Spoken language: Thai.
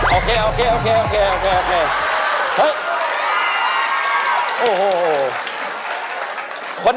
โอเคโอเคโอเค